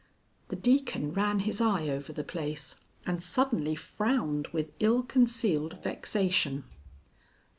The Deacon ran his eye over the place, and suddenly frowned with ill concealed vexation.